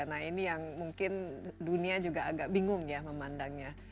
nah ini yang mungkin dunia juga agak bingung ya memandangnya